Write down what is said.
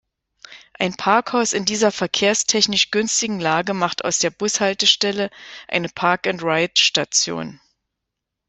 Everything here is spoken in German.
Ein Parkhaus in dieser verkehrstechnisch günstigen Lage macht aus der Bushaltestelle eine Park-and-ride-Station.